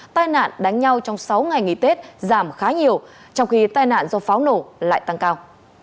tai nạn đánh nhau trong sáu ngày nghỉ tết giảm khá nhiều trong khi tai nạn do pháo nổ lại tăng cao